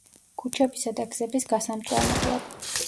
ქუჩებისა და გზების გასამწვანებლად.